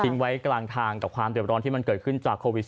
ไว้กลางทางกับความเด็บร้อนที่มันเกิดขึ้นจากโควิด๑